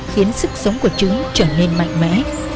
khiến sức sống của trứ trở nên mạnh mẽ